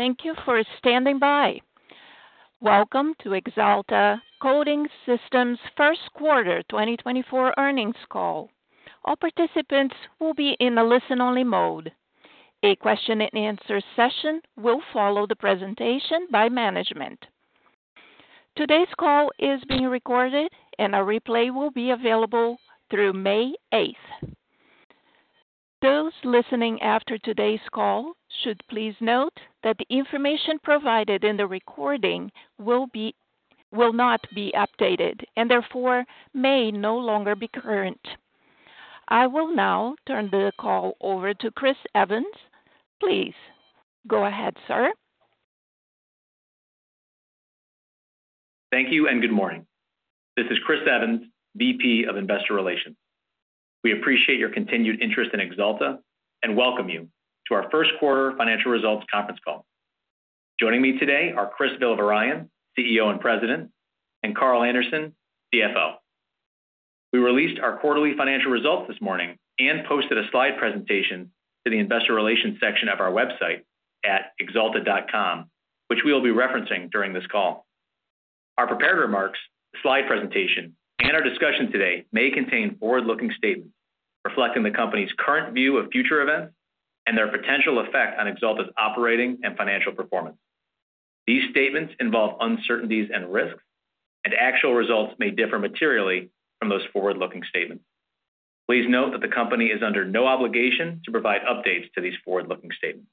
Thank you for standing by. Welcome to Axalta Coating Systems' first quarter 2024 earnings call. All participants will be in a listen-only mode. A question-and-answer session will follow the presentation by management. Today's call is being recorded, and a replay will be available through May 8th. Those listening after today's call should please note that the information provided in the recording will not be updated, and therefore may no longer be current. I will now turn the call over to Chris Evans. Please go ahead, sir. Thank you and good morning. This is Chris Evans, VP of Investor Relations. We appreciate your continued interest in Axalta, and welcome you to our first quarter financial results conference call. Joining me today are Chris Villavarayan, CEO and President, and Carl Anderson, CFO. We released our quarterly financial results this morning and posted a slide presentation to the investor relations section of our website at axalta.com, which we will be referencing during this call. Our prepared remarks, slide presentation, and our discussion today may contain forward-looking statements reflecting the company's current view of future events and their potential effect on Axalta's operating and financial performance. These statements involve uncertainties and risks, and actual results may differ materially from those forward-looking statements. Please note that the company is under no obligation to provide updates to these forward-looking statements.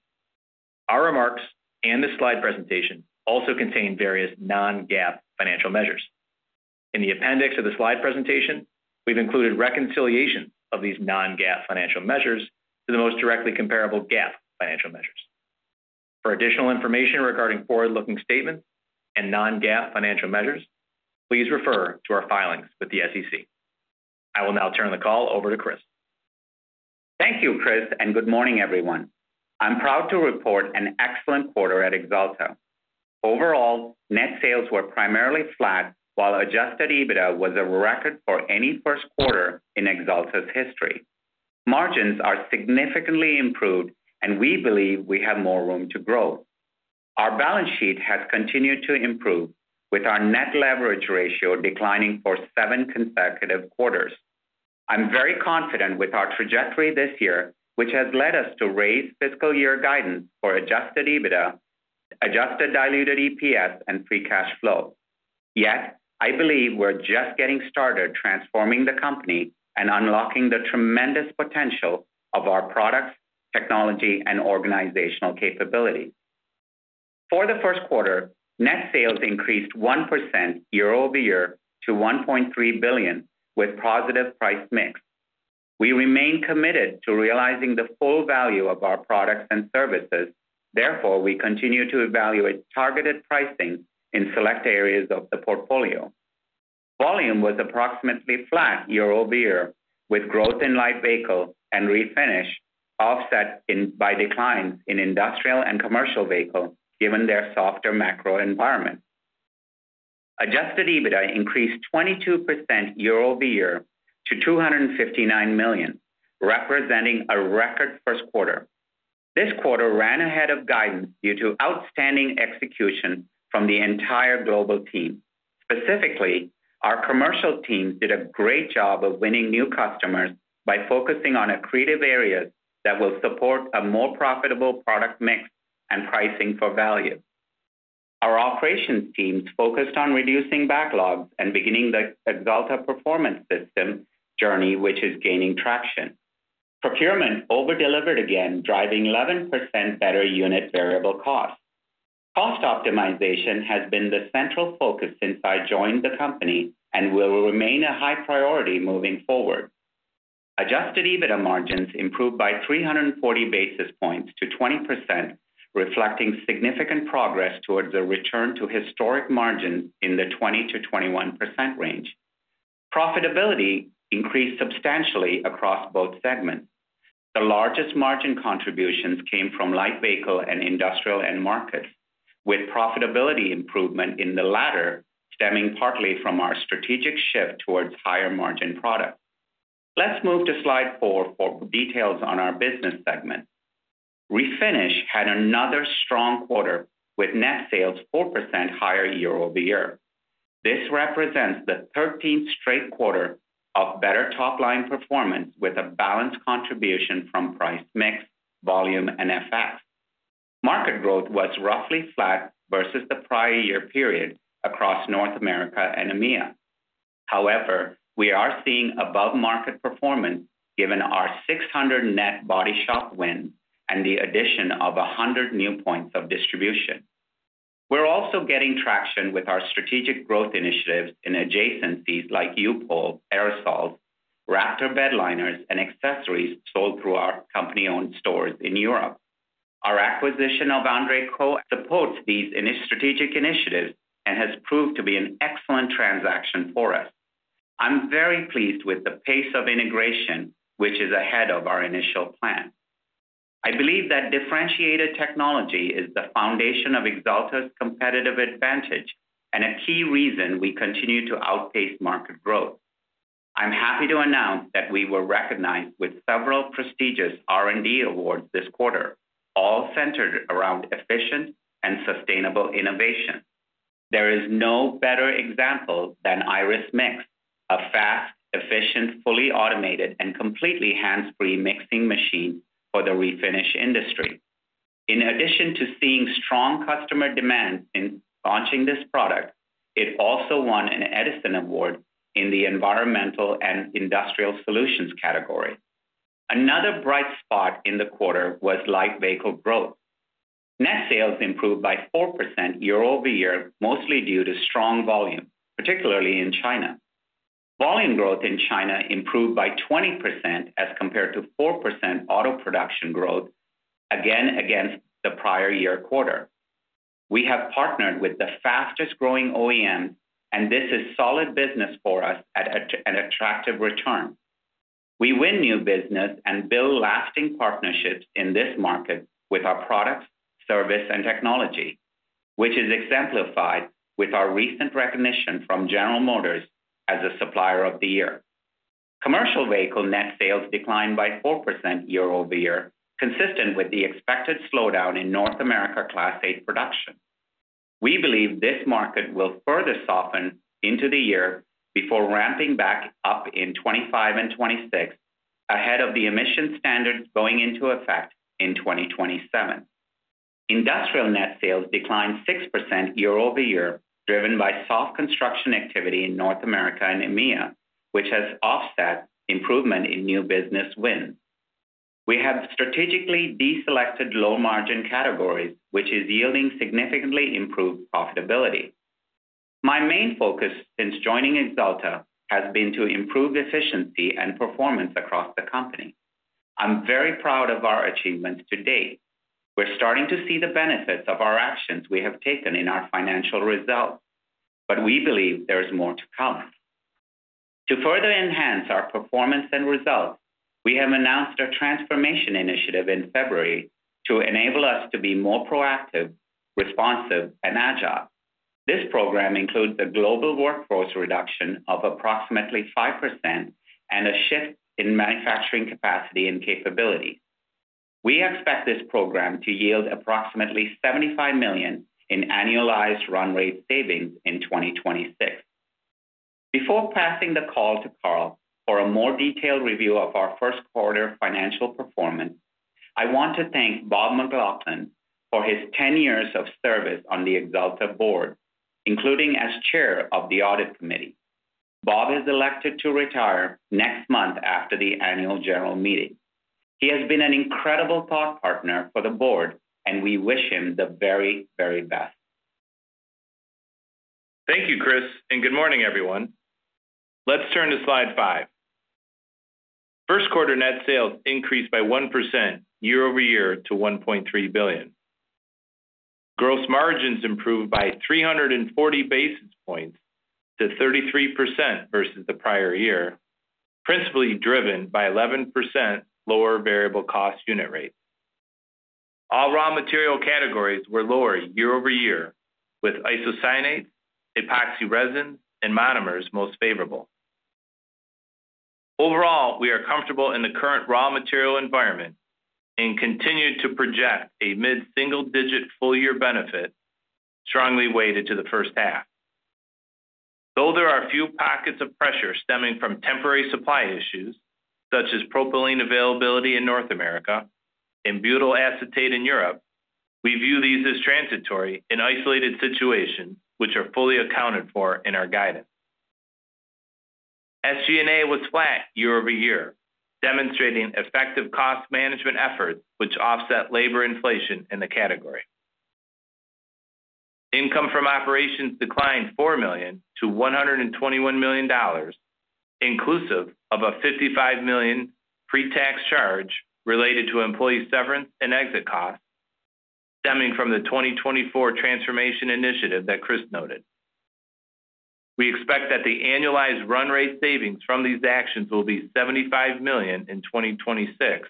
Our remarks and the slide presentation also contain various non-GAAP financial measures. In the appendix of the slide presentation, we've included reconciliation of these non-GAAP financial measures to the most directly comparable GAAP financial measures. For additional information regarding forward-looking statements and non-GAAP financial measures, please refer to our filings with the SEC. I will now turn the call over to Chris. Thank you, Chris, and good morning, everyone. I'm proud to report an excellent quarter at Axalta. Overall, net sales were primarily flat, while adjusted EBITDA was a record for any first quarter in Axalta's history. Margins are significantly improved, and we believe we have more room to grow. Our balance sheet has continued to improve, with our net leverage ratio declining for seven consecutive quarters. I'm very confident with our trajectory this year, which has led us to raise fiscal year guidance for adjusted EBITDA, adjusted diluted EPS and Free Cash Flow. Yet, I believe we're just getting started transforming the company and unlocking the tremendous potential of our products, technology, and organizational capabilities. For the first quarter, net sales increased 1% year-over-year to $1.3 billion, with positive price mix. We remain committed to realizing the full value of our products and services, therefore, we continue to evaluate targeted pricing in select areas of the portfolio. Volume was approximately flat year-over-year, with growth in Light Vehicle and Refinish offset by declines in industrial and commercial vehicle, given their softer macro environment. Adjusted EBITDA increased 22% year-over-year to $259 million, representing a record first quarter. This quarter ran ahead of guidance due to outstanding execution from the entire global team. Specifically, our commercial teams did a great job of winning new customers by focusing on accretive areas that will support a more profitable product mix and pricing for value. Our operations teams focused on reducing backlogs and beginning the Axalta Performance System journey, which is gaining traction. Procurement over-delivered again, driving 11% better unit variable costs. Cost optimization has been the central focus since I joined the company and will remain a high priority moving forward. Adjusted EBITDA margins improved by 340 basis points to 20%, reflecting significant progress towards a return to historic margins in the 20%-21% range. Profitability increased substantially across both segments. The largest margin contributions came from Light Vehicle and industrial end markets, with profitability improvement in the latter stemming partly from our strategic shift towards higher-margin products. Let's move to slide four for details on our business segment. Refinish had another strong quarter, with net sales 4% higher year-over-year. This represents the 13th straight quarter of better top-line performance, with a balanced contribution from price mix, volume, and FX. Market growth was roughly flat versus the prior year period across North America and EMEA. However, we are seeing above-market performance given our 600 net body shop wins and the addition of 100 new points of distribution. We're also getting traction with our strategic growth initiatives in adjacencies like U-POL, aerosol, RAPTOR Bedliners and accessories sold through our company-owned stores in Europe. Our acquisition of André Koch supports these strategic initiatives and has proved to be an excellent transaction for us. I'm very pleased with the pace of integration, which is ahead of our initial plan. I believe that differentiated technology is the foundation of Axalta's competitive advantage and a key reason we continue to outpace market growth. I'm happy to announce that we were recognized with several prestigious R&D awards this quarter, all centered around efficient and sustainable innovation. There is no better example than Irus Mix, a fast, efficient, fully automated, and completely hands-free mixing machine for the refinish industry. In addition to seeing strong customer demand in launching this product, it also won an Edison Award in the Environmental and Industrial Solutions category. Another bright spot in the quarter was light vehicle growth. Net sales improved by 4% year-over-year, mostly due to strong volume, particularly in China. Volume growth in China improved by 20% as compared to 4% auto production growth, again, against the prior year quarter. We have partnered with the fastest-growing OEM, and this is solid business for us at an attractive return. We win new business and build lasting partnerships in this market with our products, service, and technology, which is exemplified with our recent recognition from General Motors as a Supplier of the Year. Commercial vehicle net sales declined by 4% year-over-year, consistent with the expected slowdown in North America Class 8 production. We believe this market will further soften into the year before ramping back up in 2025 and 2026, ahead of the emission standards going into effect in 2027. Industrial net sales declined 6% year-over-year, driven by soft construction activity in North America and EMEA, which has offset improvement in new business wins. We have strategically deselected low-margin categories, which is yielding significantly improved profitability. My main focus since joining Axalta has been to improve efficiency and performance across the company. I'm very proud of our achievements to date. We're starting to see the benefits of our actions we have taken in our financial results, but we believe there is more to come. To further enhance our performance and results, we have announced a transformation initiative in February to enable us to be more proactive, responsive, and agile. This program includes a global workforce reduction of approximately 5% and a shift in manufacturing capacity and capability. We expect this program to yield approximately $75 million in annualized run rate savings in 2026. Before passing the call to Carl for a more detailed review of our first quarter financial performance, I want to thank Robert McLaughlin for his 10 years of service on the Axalta board, including as chair of the audit committee. Robert is elected to retire next month after the annual general meeting. He has been an incredible thought partner for the board, and we wish him the very, very best. Thank you, Chris, and good morning, everyone. Let's turn to slide five. First quarter net sales increased by 1% year-over-year to $1.3 billion. Gross margins improved by 340 basis points to 33% versus the prior year, principally driven by 11% lower variable cost unit rate. All raw material categories were lower year-over-year, with isocyanate, epoxy resin, and monomers most favorable. Overall, we are comfortable in the current raw material environment and continue to project a mid-single-digit full-year benefit, strongly weighted to the first half. Though there are a few pockets of pressure stemming from temporary supply issues, such as propylene availability in North America and butyl acetate in Europe, we view these as transitory and isolated situations, which are fully accounted for in our guidance. SG&A was flat year-over-year, demonstrating effective cost management efforts, which offset labor inflation in the category. Income from operations declined $4 million-$121 million, inclusive of a $55 million pre-tax charge related to employee severance and exit costs stemming from the 2024 Transformation Initiative that Chris noted. We expect that the annualized run rate savings from these actions will be $75 million in 2026,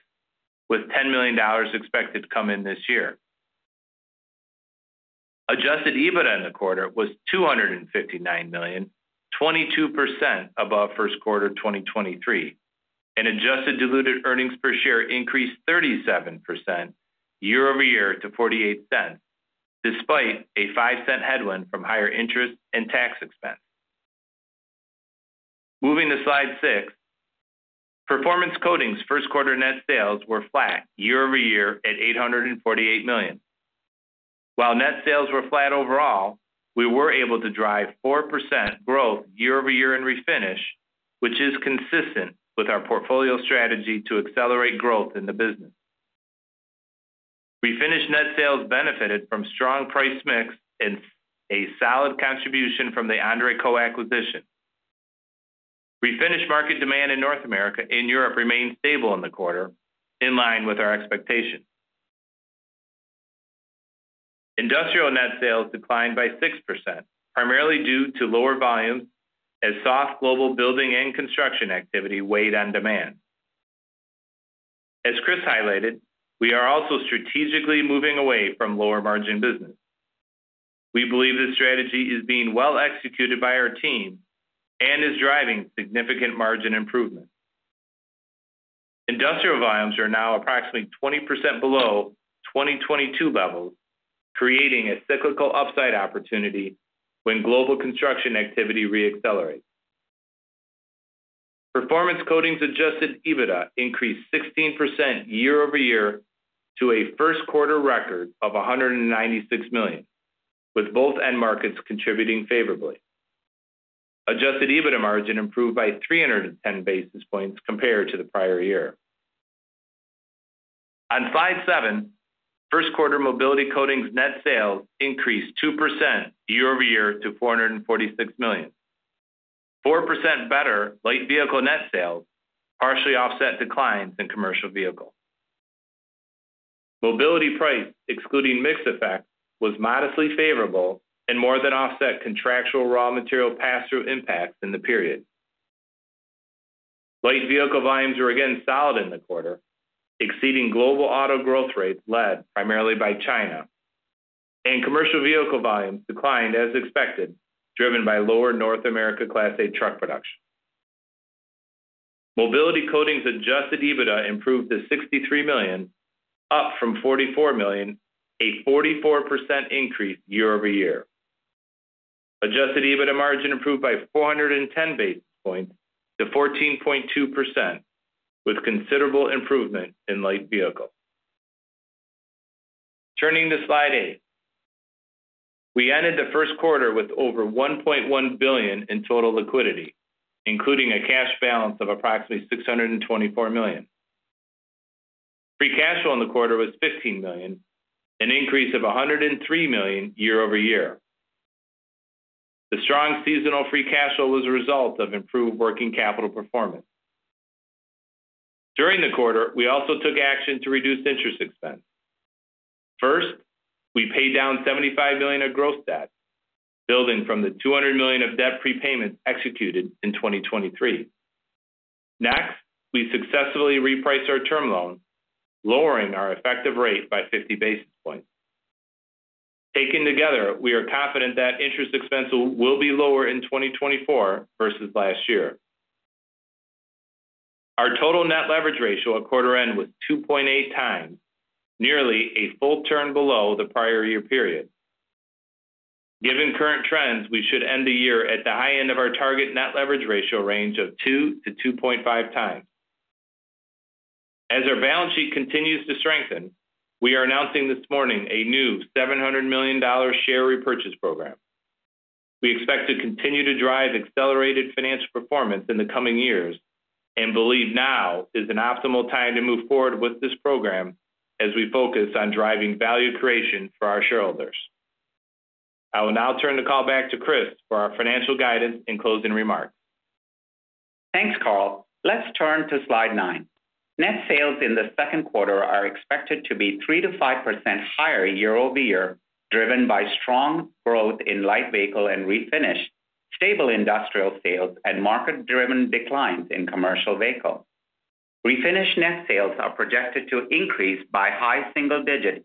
with $10 million expected to come in this year. Adjusted EBITDA in the quarter was $259 million, 22% above first quarter 2023, and adjusted diluted earnings per share increased 37% year-over-year to $0.48, despite a $0.05 headwind from higher interest and tax expense. Moving to slide six. Performance Coatings first quarter net sales were flat year-over-year at $848 million. While net sales were flat overall, we were able to drive 4% growth year-over-year in Refinish, which is consistent with our portfolio strategy to accelerate growth in the business. Refinish net sales benefited from strong price mix and a solid contribution from the André Koch acquisition. Refinish market demand in North America and Europe remained stable in the quarter, in line with our expectations. Industrial net sales declined by 6%, primarily due to lower volumes as soft global building and construction activity weighed on demand. As Chris highlighted, we are also strategically moving away from lower-margin business. We believe this strategy is being well executed by our team and is driving significant margin improvement. Industrial volumes are now approximately 20% below 2022 levels, creating a cyclical upside opportunity when global construction activity re-accelerates. Performance Coatings adjusted EBITDA increased 16% year-over-year to a first quarter record of $196 million, with both end markets contributing favorably. Adjusted EBITDA margin improved by 310 basis points compared to the prior year. On slide seven, first quarter Mobility Coatings net sales increased 2% year-over-year to $446 million. 4% better light vehicle net sales partially offset declines in commercial vehicle. Mobility price, excluding mix effect, was modestly favorable and more than offset contractual raw material pass-through impacts in the period. Light vehicle volumes were again solid in the quarter, exceeding global auto growth rates led primarily by China, and commercial vehicle volumes declined as expected, driven by lower North America Class 8 truck production. Mobility Coatings adjusted EBITDA improved to $63 million, up from $44 million, a 44% increase year-over-year. Adjusted EBITDA margin improved by 410 basis points to 14.2%, with considerable improvement in light vehicles. Turning to slide eight. We ended the first quarter with over $1.1 billion in total liquidity, including a cash balance of approximately $624 million. Free cash flow in the quarter was $15 million, an increase of $103 million year-over-year. The strong seasonal free cash flow was a result of improved working capital performance. During the quarter, we also took action to reduce interest expense. First, we paid down $75 million of gross debt, building from the $200 million of debt prepayment executed in 2023. Next, we successfully repriced our term loan, lowering our effective rate by 50 basis points. Taken together, we are confident that interest expense will, will be lower in 2024 versus last year. Our total net leverage ratio at quarter end was 2.8x, nearly a full turn below the prior year period. Given current trends, we should end the year at the high end of our target net leverage ratio range of 2x-2.5x. As our balance sheet continues to strengthen, we are announcing this morning a new $700 million share repurchase program. We expect to continue to drive accelerated financial performance in the coming years and believe now is an optimal time to move forward with this program as we focus on driving value creation for our shareholders. I will now turn the call back to Chris for our financial guidance and closing remarks. Thanks, Carl. Let's turn to slide nine. Net sales in the second quarter are expected to be 3%-5% higher year-over-year, driven by strong growth in Light Vehicle and Refinish, stable industrial sales, and market-driven declines in commercial vehicle. Refinish net sales are projected to increase by high single-digit%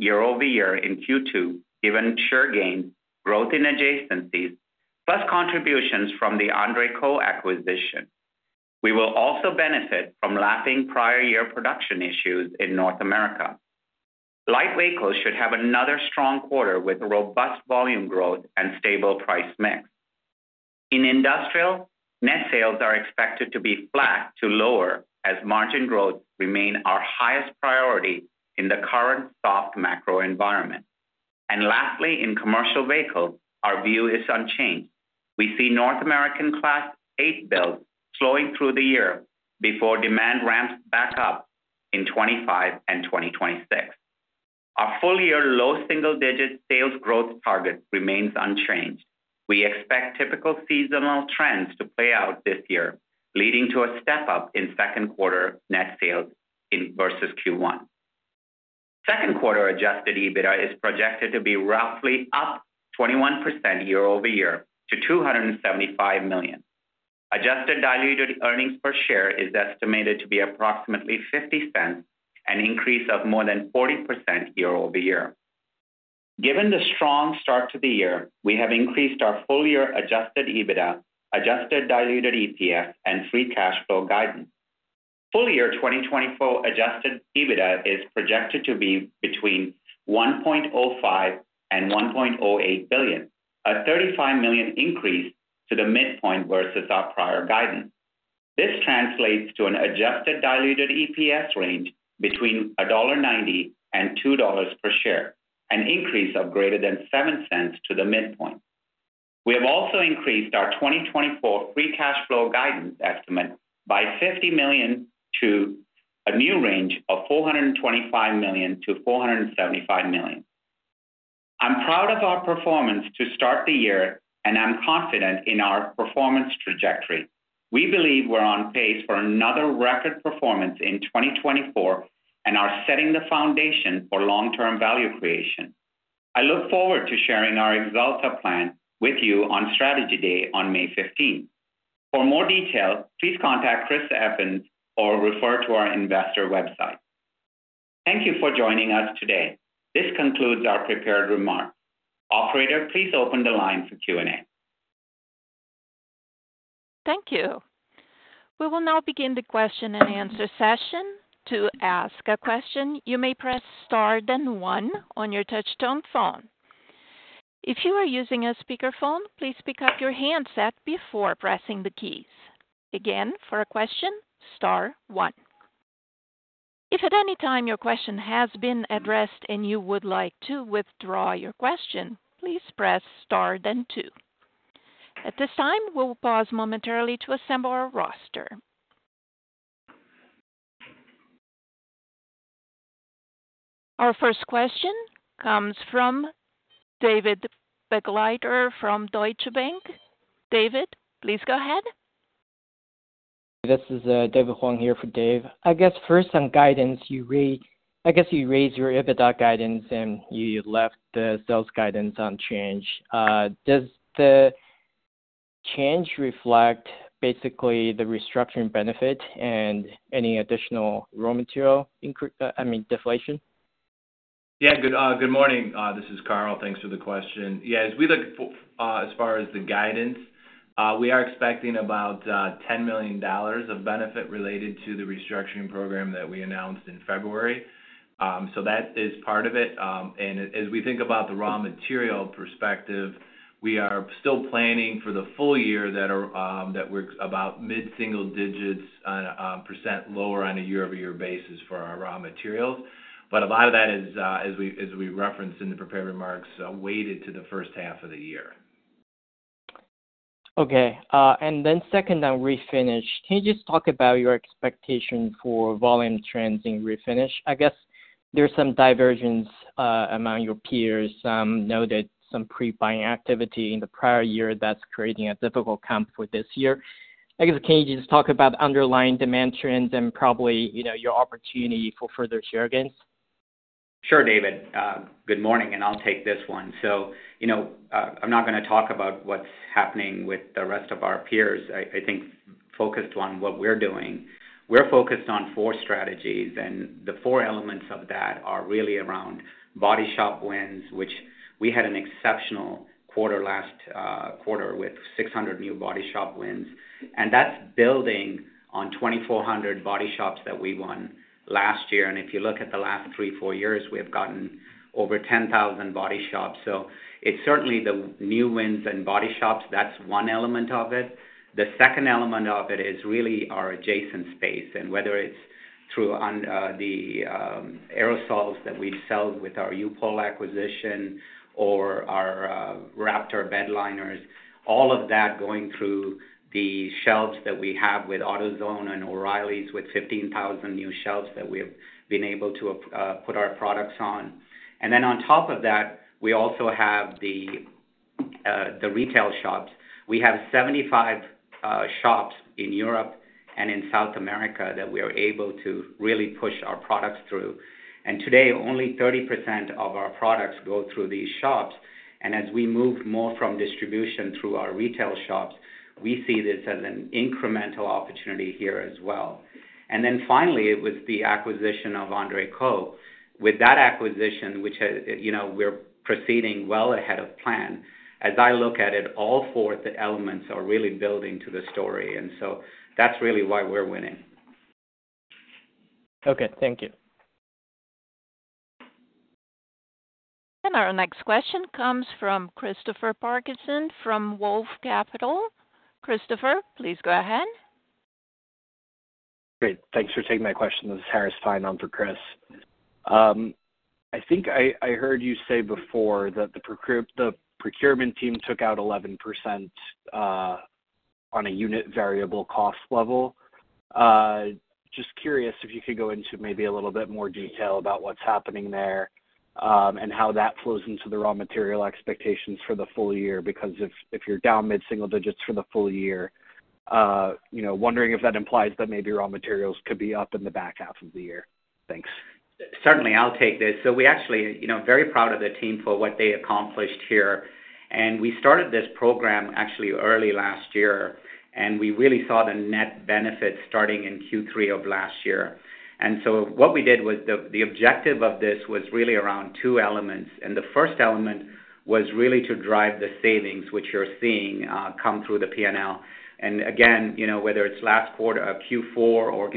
year-over-year in Q2, given share gains, growth in adjacencies, plus contributions from the André Koch acquisition. We will also benefit from lapping prior year production issues in North America. Light Vehicles should have another strong quarter with robust volume growth and stable price mix. In industrial, net sales are expected to be flat to lower as margin growth remain our highest priority in the current soft macro environment. And lastly, in commercial vehicle, our view is unchanged. We see North American Class 8 builds slowing through the year before demand ramps back up in 2025 and 2026. Our full-year low single-digit sales growth target remains unchanged. We expect typical seasonal trends to play out this year, leading to a step-up in second quarter net sales versus Q1. Second quarter adjusted EBITDA is projected to be roughly up 21% year-over-year to $275 million. Adjusted diluted earnings per share is estimated to be approximately $0.50, an increase of more than 40% year-over-year. Given the strong start to the year, we have increased our full year adjusted EBITDA, adjusted diluted EPS, and Free Cash Flow guidance. Full year 2024 adjusted EBITDA is projected to be between $1.05 billion and $1.08 billion, a $35 million increase to the midpoint versus our prior guidance. This translates to an adjusted Diluted EPS range between $1.90 and $2 per share, an increase of greater than $0.07 to the midpoint. We have also increased our 2024 Free Cash Flow guidance estimate by $50 million to a new range of $425 million to $475 million. I'm proud of our performance to start the year, and I'm confident in our performance trajectory. We believe we're on pace for another record performance in 2024 and are setting the foundation for long-term value creation.... I look forward to sharing our Axalta plan with you on Strategy Day on May 15th. For more details, please contact Chris Evans or refer to our investor website. Thank you for joining us today. This concludes our prepared remarks. Operator, please open the line for Q&A. Thank you. We will now begin the question and answer session. To ask a question, you may press Star, then One on your touchtone phone. If you are using a speakerphone, please pick up your handset before pressing the keys. Again, for a question, Star One. If at any time your question has been addressed and you would like to withdraw your question, please press Star, then Two. At this time, we'll pause momentarily to assemble our roster. Our first question comes from David Begleiter from Deutsche Bank. David, please go ahead. This is, David Huang here for Dave. I guess first on guidance, I guess you raised your EBITDA guidance, and you left the sales guidance unchanged. Does the change reflect basically the restructuring benefit and any additional raw material, I mean, deflation? Yeah, good morning. This is Carl. Thanks for the question. Yeah, as far as the guidance, we are expecting about $10 million of benefit related to the restructuring program that we announced in February. So that is part of it. And as we think about the raw material perspective, we are still planning for the full year that we're about mid-single digits % lower on a year-over-year basis for our raw materials. But a lot of that is, as we referenced in the prepared remarks, weighted to the first half of the year. Okay, and then second, on Refinish, can you just talk about your expectation for volume trends in Refinish? I guess there's some divergence among your peers. Noted some pre-buying activity in the prior year that's creating a difficult comp for this year. I guess, can you just talk about underlying demand trends and probably, you know, your opportunity for further share gains? Sure, David. Good morning, and I'll take this one. So you know, I'm not gonna talk about what's happening with the rest of our peers. I think focused on what we're doing. We're focused on four strategies, and the four elements of that are really around body shop wins, which we had an exceptional quarter last quarter with 600 new body shop wins, and that's building on 2,400 body shops that we won last year. And if you look at the last three-five years, we have gotten over 10,000 body shops. So it's certainly the new wins and body shops, that's one element of it. The second element of it is really our adjacent space, and whether it's through on, the, aerosols that we sell with our U-POL acquisition or our, RAPTOR Bedliners, all of that going through the shelves that we have with AutoZone and O'Reilly's, with 15,000 new shelves that we've been able to, put our products on. And then on top of that, we also have the, the retail shops. We have 75, shops in Europe and in South America that we are able to really push our products through. And today, only 30% of our products go through these shops, and as we move more from distribution through our retail shops, we see this as an incremental opportunity here as well. And then finally, it was the acquisition of André Koch. With that acquisition, which has... You know, we're proceeding well ahead of plan. As I look at it, all four of the elements are really building to the story, and so that's really why we're winning. Okay, thank you. Our next question comes from Christopher Parkinson from Wolfe Capital Christopher, please go ahead. Great. Thanks for taking my question. This is Harris Fein on for Chris. I think I heard you say before that the procurement team took out 11%, on a unit variable cost level. Just curious if you could go into maybe a little bit more detail about what's happening there, and how that flows into the raw material expectations for the full year. Because if you're down mid-single digits for the full year, you know, wondering if that implies that maybe raw materials could be up in the back half of the year. Thanks. Certainly, I'll take this. So we actually, you know, very proud of the team for what they accomplished here. And we started this program actually early last year, and we really saw the net benefit starting in Q3 of last year. And so what we did was the objective of this was really around two elements, and the first element was really to drive the savings, which you're seeing come through the PNL. And again, you know, whether it's last quarter or Q4 or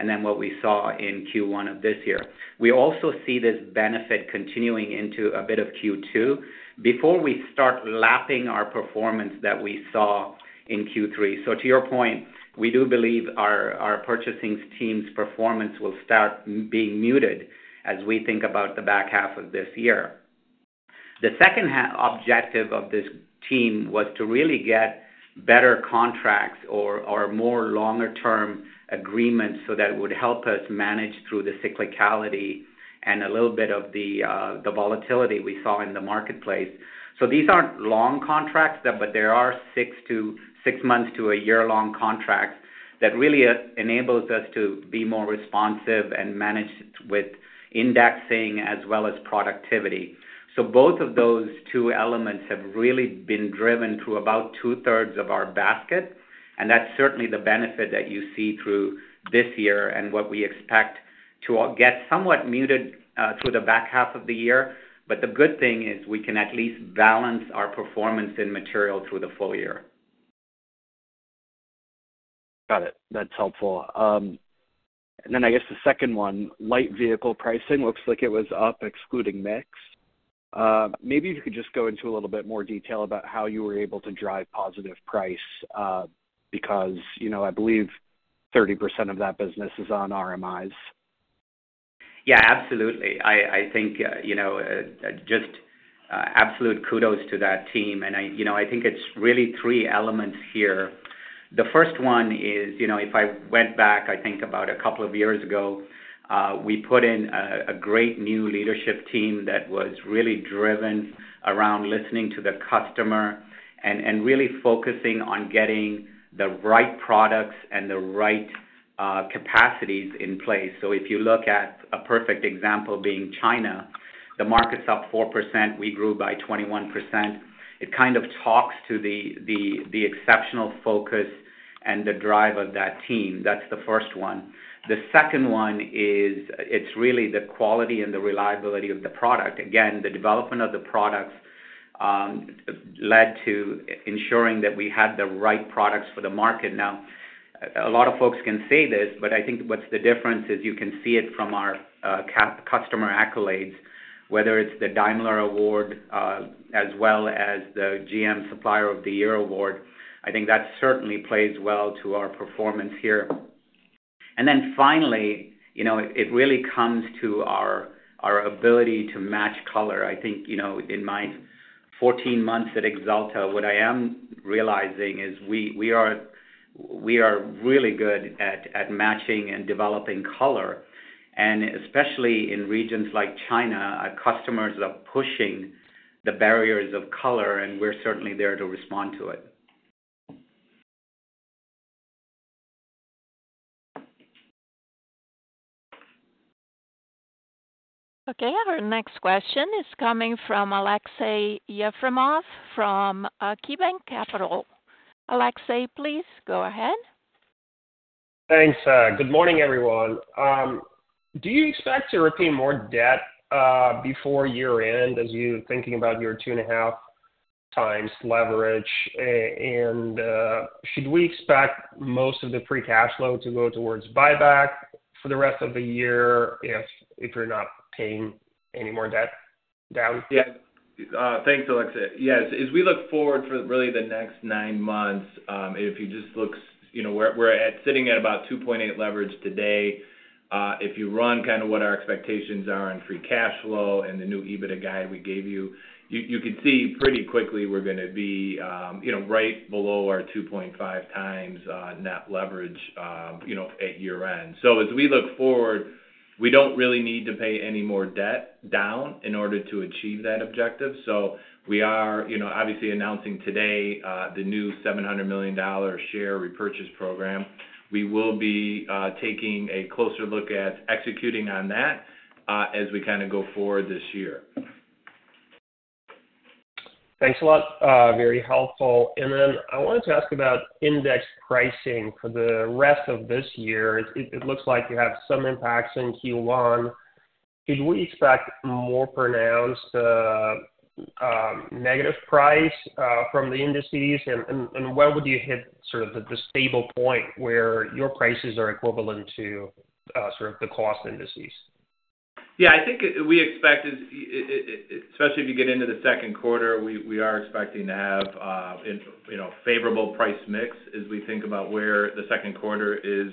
in Q1 of this year. We also see this benefit continuing into a bit of Q2 before we start lapping our performance that we saw in Q3. So to your point, we do believe our, our purchasing team's performance will start being muted as we think about the back half of this year. The second objective of this team was to really get better contracts or, or more longer-term agreements so that it would help us manage through the cyclicality and a little bit of the, the volatility we saw in the marketplace. So these aren't long contracts, but they are six to six months to a year-long contracts that really enables us to be more responsive and manage with indexing as well as productivity. So both of those two elements have really been driven through about two-thirds of our basket, and that's certainly the benefit that you see through this year and what we expect to get somewhat muted through the back half of the year. But the good thing is we can at least balance our performance in material through the full year. Got it. That's helpful. And then I guess the second one, Light Vehicle pricing looks like it was up, excluding mix. Maybe if you could just go into a little bit more detail about how you were able to drive positive price, because, you know, I believe 30% of that business is on RMIs. Yeah, absolutely. I think, you know, just absolute kudos to that team. And, you know, I think it's really three elements here. The first one is, you know, if I went back, I think about a couple of years ago, we put in a great new leadership team that was really driven around listening to the customer and really focusing on getting the right products and the right capacities in place. So if you look at a perfect example being China, the market's up 4%, we grew by 21%. It kind of talks to the exceptional focus and the drive of that team. That's the first one. The second one is, it's really the quality and the reliability of the product. Again, the development of the products led to ensuring that we had the right products for the market. Now, a lot of folks can say this, but I think what's the difference is you can see it from our customer accolades, whether it's the Daimler Award, as well as the GM Supplier of the Year award. I think that certainly plays well to our performance here. And then finally, you know, it really comes to our ability to match color. I think, you know, in my 14 months at Axalta, what I am realizing is we are really good at matching and developing color, and especially in regions like China, our customers are pushing the barriers of color, and we're certainly there to respond to it. Okay. Our next question is coming from Aleksey Yefremov from KeyBanc Capital. Aleksey, please go ahead. Thanks, good morning, everyone. Do you expect to repay more debt before year-end as you're thinking about your 2.5x leverage? And should we expect most of the Free Cash Flow to go towards buyback for the rest of the year if you're not paying any more debt down? Yeah. Thanks, Aleksey. Yes, as we look forward for really the next nine months, if you just look, you know, we're sitting at about 2.8 leverage today. If you run kind of what our expectations are on free cash flow and the new EBITDA guide we gave you, you can see pretty quickly we're gonna be, you know, right below our 2.5x net leverage, you know, at year-end. So as we look forward, we don't really need to pay any more debt down in order to achieve that objective. So we are, you know, obviously announcing today the new $700 million share repurchase program. We will be taking a closer look at executing on that as we kind of go forward this year. Thanks a lot, very helpful. And then I wanted to ask about index pricing for the rest of this year. It looks like you have some impacts in Q1. Should we expect more pronounced negative price from the indices? And when would you hit sort of the stable point where your prices are equivalent to sort of the cost indices? Yeah, I think we expect it, especially if you get into the second quarter. We are expecting to have in, you know, favorable price mix as we think about where the second quarter is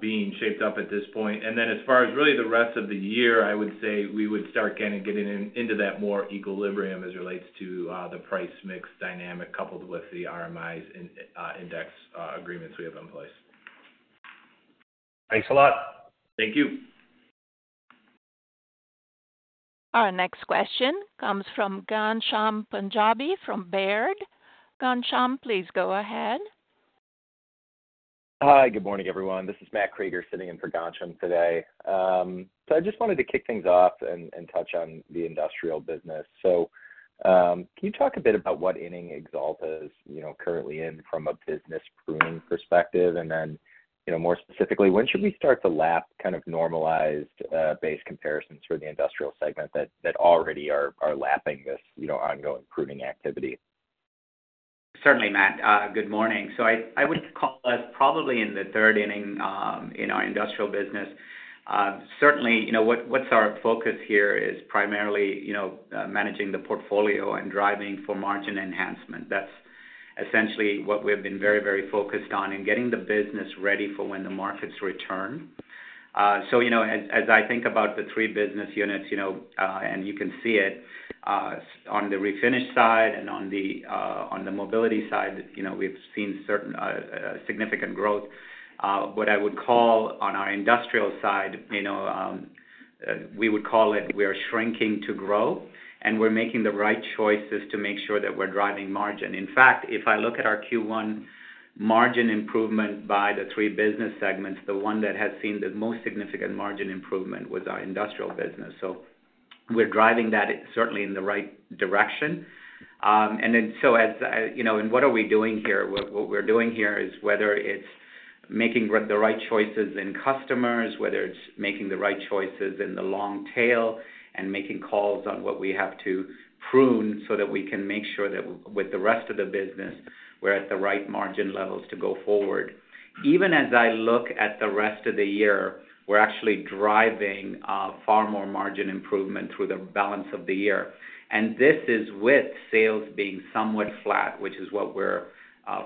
being shaped up at this point. And then as far as really the rest of the year, I would say we would start kind of getting into that more equilibrium as it relates to the price mix dynamic, coupled with the RMIs in index agreements we have in place. Thanks a lot. Thank you. Our next question comes from Ghansham Panjabi from Baird. Ghansham, please go ahead. Hi, good morning, everyone. This is Matthew Krueger sitting in for Ghansham today. So I just wanted to kick things off and touch on the industrial business. So, can you talk a bit about what inning Axalta is, you know, currently in from a business pruning perspective? And then, you know, more specifically, when should we start to lap kind of normalized base comparisons for the industrial segment that already are lapping this, you know, ongoing pruning activity? Certainly, Matt, good morning. So I, I would call us probably in the third inning in our industrial business. Certainly, you know, what's our focus here is primarily, you know, managing the portfolio and driving for margin enhancement. That's essentially what we have been very, very focused on and getting the business ready for when the markets return. So you know, as, as I think about the three business units, you know, and you can see it on the Refinish side and on the mobility side, you know, we've seen certain significant growth.... What I would call on our industrial side, you know, we would call it we are shrinking to grow, and we're making the right choices to make sure that we're driving margin. In fact, if I look at our Q1 margin improvement by the three business segments, the one that has seen the most significant margin improvement was our Industrial business. So we're driving that certainly in the right direction. And then, so as you know, and what are we doing here? What we're doing here is whether it's making the right choices in customers, whether it's making the right choices in the long tail, and making calls on what we have to prune so that we can make sure that with the rest of the business, we're at the right margin levels to go forward. Even as I look at the rest of the year, we're actually driving far more margin improvement through the balance of the year. This is with sales being somewhat flat, which is what we're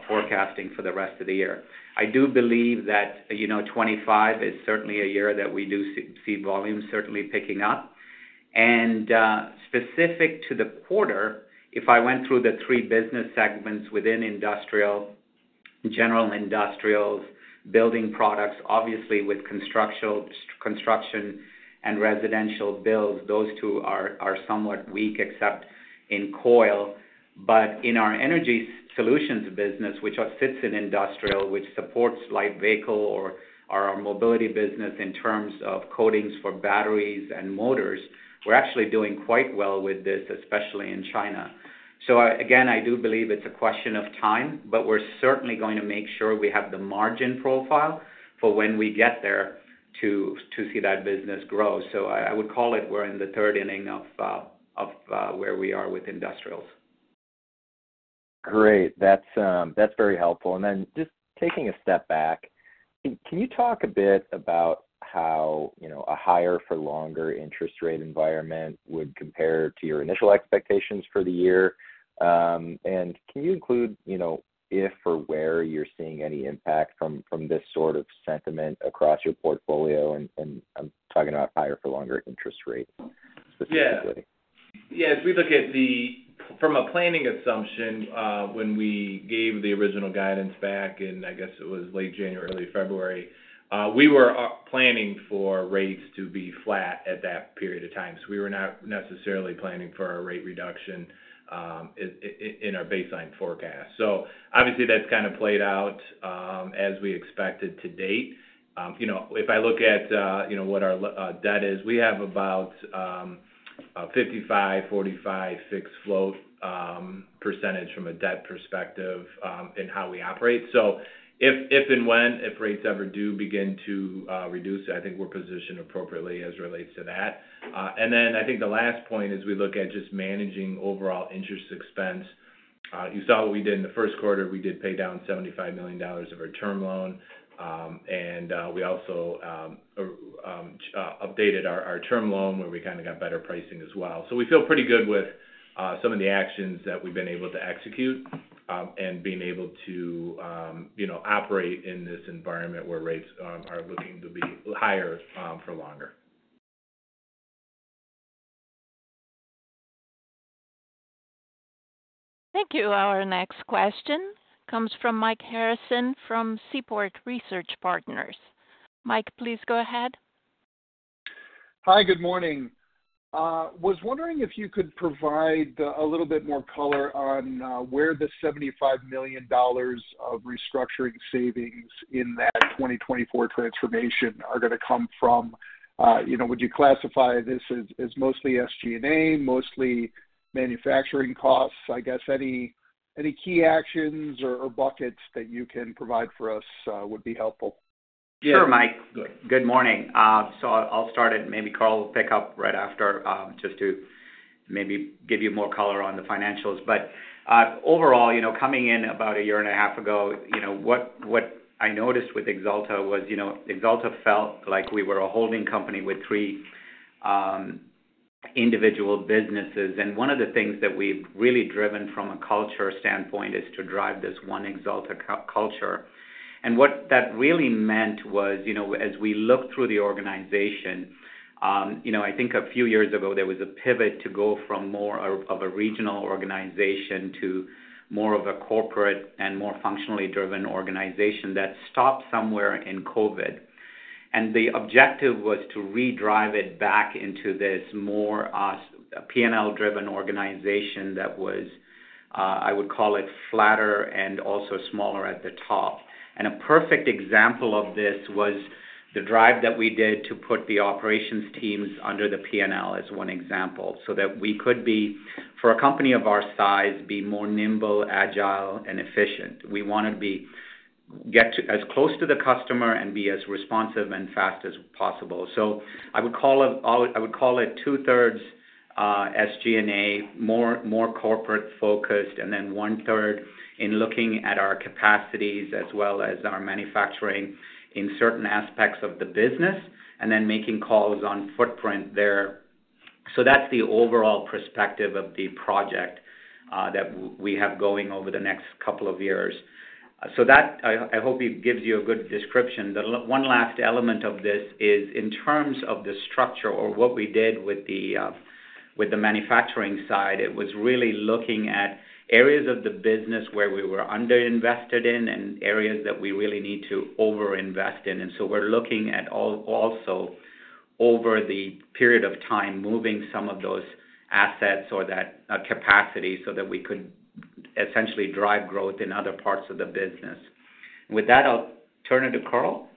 forecasting for the rest of the year. I do believe that, you know, 2025 is certainly a year that we do see volumes certainly picking up. Specific to the quarter, if I went through the three business segments within Industrial, general industrial, building products, obviously with construction and residential builds, those two are somewhat weak except in coil. But in our energy solutions business, which also sits in Industrial, which supports Light Vehicle or our mobility business in terms of coatings for batteries and motors, we're actually doing quite well with this, especially in China. So I, again, I do believe it's a question of time, but we're certainly going to make sure we have the margin profile for when we get there to see that business grow. So I would call it, we're in the third inning of where we are with industrials. Great. That's, that's very helpful. And then just taking a step back, can you talk a bit about how, you know, a higher for longer interest rate environment would compare to your initial expectations for the year? And can you include, you know, if or where you're seeing any impact from this sort of sentiment across your portfolio? And I'm talking about higher for longer interest rate, specifically. Yeah. Yeah, as we look at the from a planning assumption, when we gave the original guidance back in, I guess it was late January, early February, we were planning for rates to be flat at that period of time. So we were not necessarily planning for a rate reduction in our baseline forecast. So obviously, that's kind of played out as we expected to date. You know, if I look at you know, what our debt is, we have about 55, 45, six float percentage from a debt perspective in how we operate. So if and when if rates ever do begin to reduce, I think we're positioned appropriately as it relates to that. And then I think the last point is we look at just managing overall interest expense. You saw what we did in the first quarter. We did pay down $75 million of our term loan, and we also updated our term loan, where we kind of got better pricing as well. So we feel pretty good with some of the actions that we've been able to execute, and being able to you know operate in this environment where rates are looking to be higher for longer. Thank you. Our next question comes from Mike Harrison, from Seaport Research Partners. Mike, please go ahead. Hi, good morning. Was wondering if you could provide a little bit more color on where the $75 million of restructuring savings in that 2024 transformation are gonna come from. You know, would you classify this as, as mostly SG&A, mostly manufacturing costs? I guess any, any key actions or, or buckets that you can provide for us would be helpful. Sure, Mike. Good morning. So I'll, I'll start, and maybe Carl will pick up right after, just to maybe give you more color on the financials. But, overall, you know, coming in about a year and a half ago, you know, what, what I noticed with Axalta was, you know, Axalta felt like we were a holding company with three individual businesses. One of the things that we've really driven from a culture standpoint is to drive this one Axalta culture. What that really meant was, you know, as we looked through the organization, you know, I think a few years ago, there was a pivot to go from more of a regional organization to more of a corporate and more functionally driven organization that stopped somewhere in COVID. The objective was to redrive it back into this more P&L-driven organization that was, I would call it flatter and also smaller at the top. A perfect example of this was the drive that we did to put the operations teams under the P&L, as one example, so that we could be, for a company of our size, be more nimble, agile, and efficient. We want to get as close to the customer and be as responsive and fast as possible. So I would call it, I would call it two-thirds SG&A, more corporate focused, and then one-third in looking at our capacities as well as our manufacturing in certain aspects of the business, and then making calls on footprint there. So that's the overall perspective of the project that we have going over the next couple of years. So that, I hope it gives you a good description. The one last element of this is in terms of the structure or what we did with the manufacturing side, it was really looking at areas of the business where we were underinvested in and areas that we really need to overinvest in. And so we're looking at also, over the period of time, moving some of those assets or that capacity, so that we could essentially drive growth in other parts of the business. With that, I'll turn it to Carl.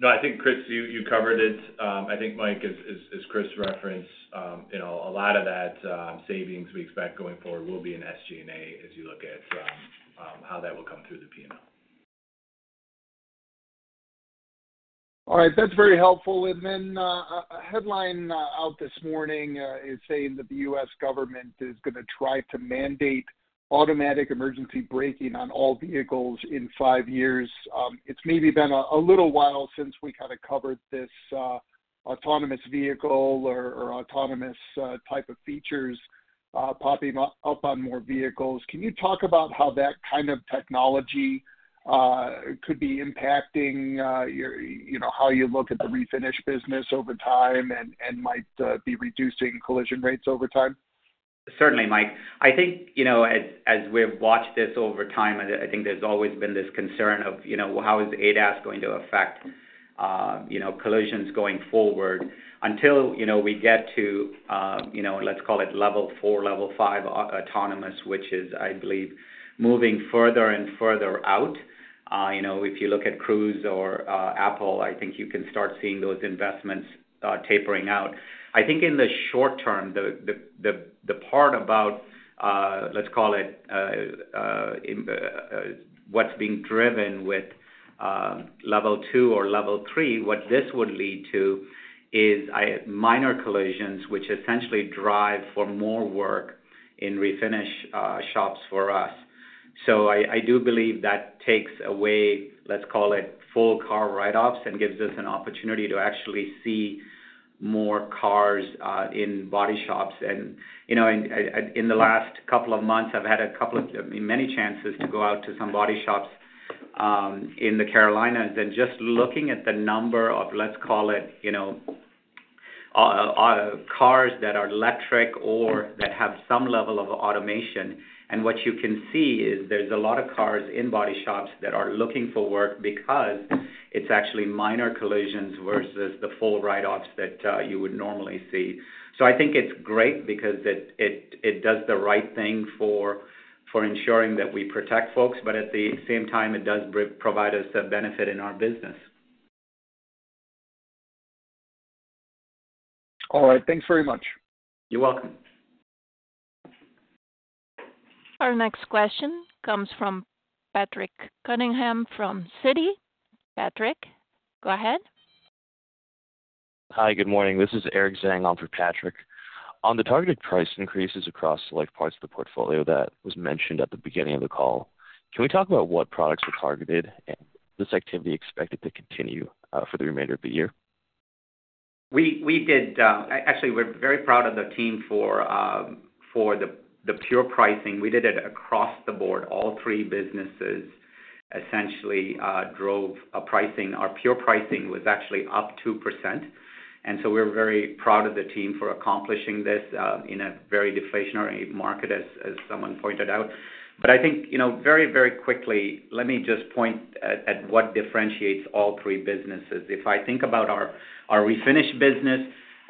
No, I think, Chris, you covered it. I think, Mike, as Chris referenced, you know, a lot of that savings we expect going forward will be in SG&A, as you look at how that will come through the P&L. All right. That's very helpful. And then, a headline out this morning is saying that the U.S. government is gonna try to mandate automatic emergency braking on all vehicles in five years. It's maybe been a little while since we kind of covered this, autonomous vehicle or autonomous type of features popping up on more vehicles. Can you talk about how that kind of technology could be impacting your-- you know, how you look at the Refinish business over time and might be reducing collision rates over time? Certainly, Mike. I think, you know, as we've watched this over time, I think there's always been this concern of, you know, how is ADAS going to affect, you know, collisions going forward? Until, you know, we get to, you know, let's call it level 4, level 5 autonomous, which is, I believe, moving further and further out, you know, if you look at Cruise or, Apple, I think you can start seeing those investments, tapering out. I think in the short term, the part about, let's call it, what's being driven with, level 2 or level 3, what this would lead to is, minor collisions, which essentially drive for more work in Refinish, shops for us. So I do believe that takes away, let's call it, full car write-offs and gives us an opportunity to actually see more cars in body shops. And, you know, in the last couple of months, I've had many chances to go out to some body shops in The Carolinas, and just looking at the number of, let's call it, you know, cars that are electric or that have some level of automation, and what you can see is there's a lot of cars in body shops that are looking for work because it's actually minor collisions versus the full write-offs that you would normally see. I think it's great because it does the right thing for ensuring that we protect folks, but at the same time, it does provide us a benefit in our business. All right. Thanks very much. You're welcome. Our next question comes from Patrick Cunningham, from Citi. Patrick, go ahead. Hi, good morning. This is Eric Zhang on for Patrick. On the targeted price increases across select parts of the portfolio that was mentioned at the beginning of the call, can we talk about what products were targeted, and is this activity expected to continue for the remainder of the year? We did. Actually, we're very proud of the team for the pure pricing. We did it across the board. All three businesses essentially drove a pricing. Our pure pricing was actually up 2%, and so we're very proud of the team for accomplishing this in a very deflationary market, as someone pointed out. But I think, you know, very quickly, let me just point at what differentiates all three businesses. If I think about our Refinish business,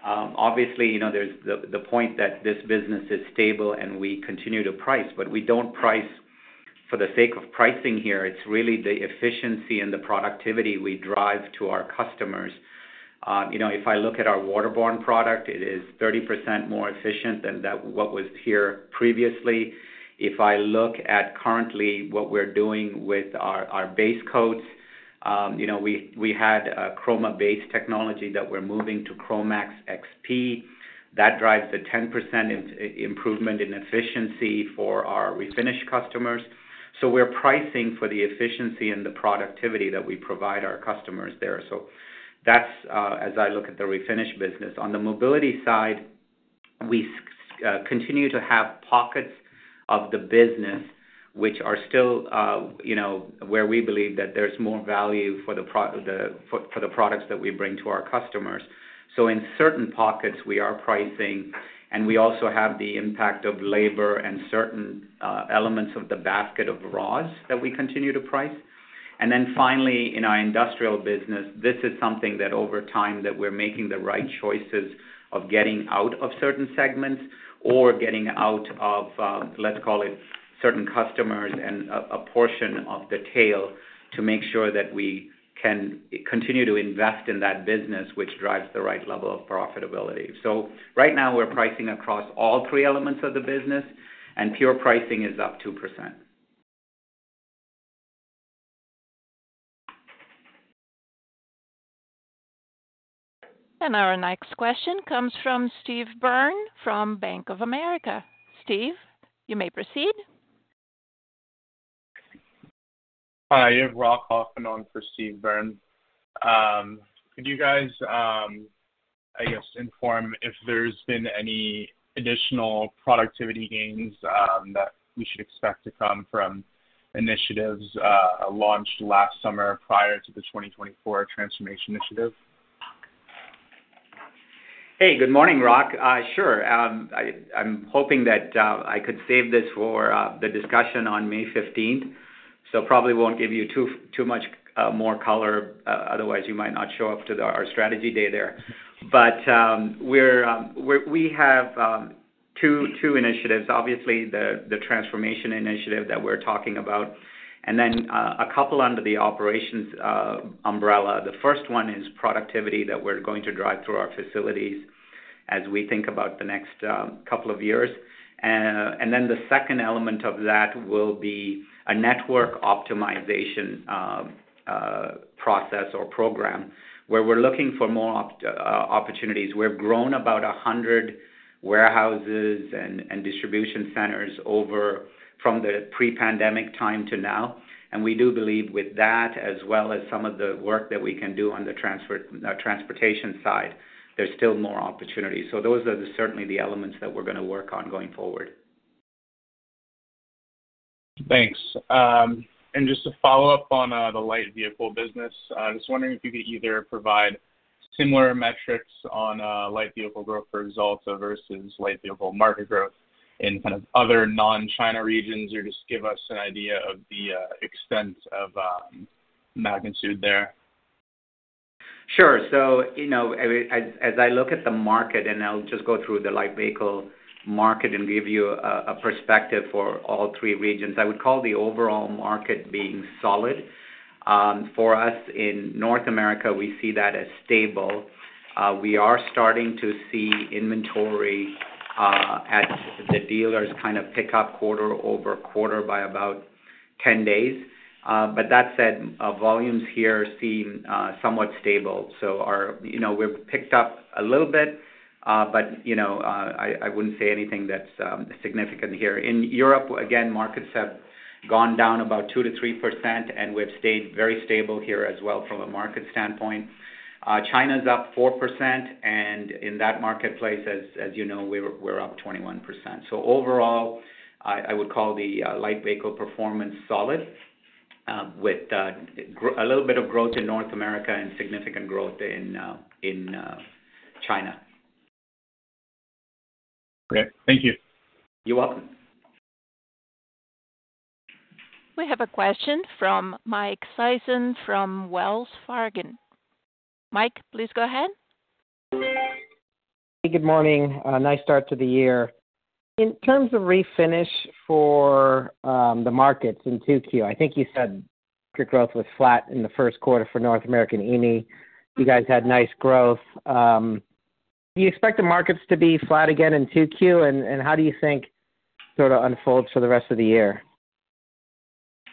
obviously, you know, there's the point that this business is stable, and we continue to price, but we don't price for the sake of pricing here. It's really the efficiency and the productivity we drive to our customers. You know, if I look at our waterborne product, it is 30% more efficient than that, what was here previously. If I look at currently what we're doing with our base coats, you know, we had a ChromaBase technology that we're moving to Cromax XP. That drives a 10% improvement in efficiency for our Refinish customers. So we're pricing for the efficiency and the productivity that we provide our customers there. So that's, as I look at the Refinish business. On the mobility side, we continue to have pockets of the business, which are still, you know, where we believe that there's more value for the products that we bring to our customers. So in certain pockets, we are pricing, and we also have the impact of labor and certain elements of the basket of raws that we continue to price. And then finally, in our Industrial business, this is something that over time, that we're making the right choices of getting out of certain segments or getting out of, let's call it, certain customers and a portion of the tail, to make sure that we can continue to invest in that business, which drives the right level of profitability. So right now, we're pricing across all three elements of the business, and pure pricing is up 2%. Our next question comes from Steve Byrne, from Bank of America. Steve, you may proceed. Hi, Rock Hoffman on for Steve Byrne. Could you guys, I guess, inform if there's been any additional productivity gains that we should expect to come from initiatives launched last summer prior to the 2024 Transformation Initiative?... Hey, good morning, Rock. Sure, I'm hoping that I could save this for the discussion on May 15th. So probably won't give you too much more color, otherwise, you might not show up to our strategy day there. But we have two initiatives, obviously, the transformation initiative that we're talking about, and then a couple under the operations umbrella. The first one is productivity that we're going to drive through our facilities as we think about the next couple of years. And then the second element of that will be a network optimization process or program, where we're looking for more opportunities. We've grown about 100 warehouses and distribution centers over from the pre-pandemic time to now, and we do believe with that, as well as some of the work that we can do on the transportation side, there's still more opportunities. So those are certainly the elements that we're gonna work on going forward. Thanks. Just to follow up on the light vehicle business, I was wondering if you could either provide similar metrics on light vehicle growth for results versus light vehicle market growth in kind of other non-China regions, or just give us an idea of the extent of magnitude there? Sure. So, you know, as I look at the market, and I'll just go through the light vehicle market and give you a perspective for all three regions. I would call the overall market being solid. For us, in North America, we see that as stable. We are starting to see inventory at the dealers kind of pick up quarter-over-quarter by about 10 days. But that said, volumes here seem somewhat stable. So our... You know, we've picked up a little bit, but, you know, I wouldn't say anything that's significant here. In Europe, again, markets have gone down about 2%-3%, and we've stayed very stable here as well from a market standpoint. China's up 4%, and in that marketplace, as you know, we're up 21%. So overall, I would call the light vehicle performance solid, with a little bit of growth in North America and significant growth in China. Okay, thank you. You're welcome. We have a question from Mike Sison from Wells Fargo. Mike, please go ahead. Good morning. A nice start to the year. In terms of Refinish for the markets in 2Q, I think you said your growth was flat in the first quarter for North America and EMEA. You guys had nice growth. Do you expect the markets to be flat again in 2Q, and how do you think it sort of unfolds for the rest of the year?